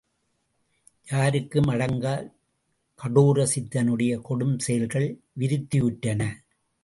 யாருக்கும் அடங்காக் கடோர சித்தனுடைய கொடுஞ் செயல்கள் விருத்தியுற்றன.